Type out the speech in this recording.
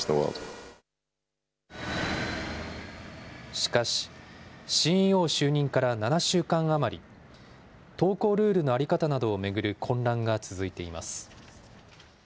しかし、ＣＥＯ就任から７週間余り、投稿ルールの在り方などを巡る混乱が続いています。